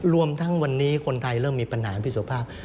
รวมทั้งวันนี้คนไทยเริ่มมีปัญหาพี่สุภาพ